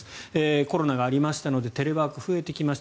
コロナがありましたのでテレワークが増えてきました。